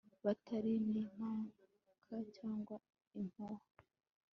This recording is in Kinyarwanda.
bitari n' impaka cyangwa impuha